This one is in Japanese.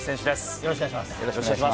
よろしくお願いします。